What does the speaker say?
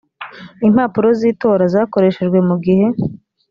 impapuro z’itora zakoreshejwe mu gihe